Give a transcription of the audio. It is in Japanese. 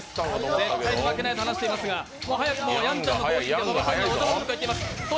絶対に負けないと話していますがもう早くもやんちゃんが進んでいます。